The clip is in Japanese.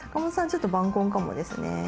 ちょっと晩婚かもですね